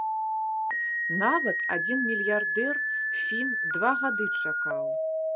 Нават адзін мільярдэр, фін, два гады чакаў.